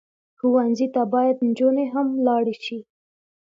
ښوونځی ته باید نجونې هم لاړې شي